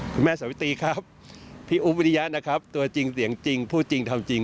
สาวิตรีครับพี่อุ๊บวิริยะนะครับตัวจริงเสียงจริงพูดจริงทำจริง